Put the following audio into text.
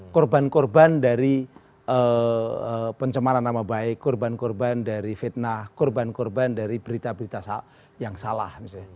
korban korban dari pencemaran nama baik korban korban dari fitnah korban korban dari berita berita yang salah